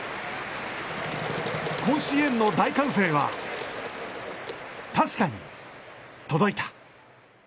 甲子園の大歓声は確かに届いた。